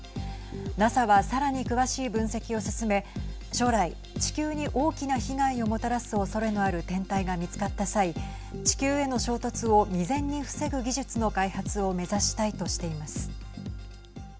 ＮＡＳＡはさらに詳しい分析を進め将来、地球に大きな被害をもたらすおそれのある天体が見つかった際地球への衝突を未然に防ぐ技術の開発を目指したいとしています。